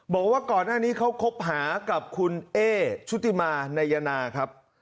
บอกว่าก่อนหน้านี้เขาคบหากับคุณเอ๊ชุติมานายนาครับ